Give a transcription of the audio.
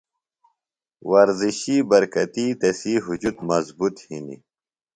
ورزشی برکتی تسی ہُجُت مضبوط ہِنیۡ۔